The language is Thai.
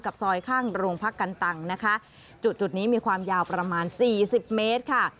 ซอยข้างโรงพักกันตังนะคะจุดจุดนี้มีความยาวประมาณสี่สิบเมตรค่ะ